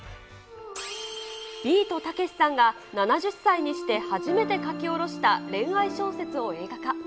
ビートたけしさんが７０歳にして初めて書き下ろした恋愛小説を映画化。